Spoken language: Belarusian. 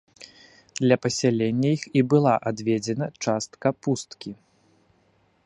Для пасялення іх і была адведзена частка пусткі.